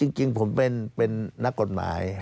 จริงผมเป็นนักกฎหมาย